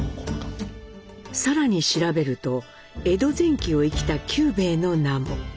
更に調べると江戸前期を生きた九兵衛の名も。